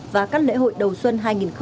và các lễ hội đầu xuân hai nghìn hai mươi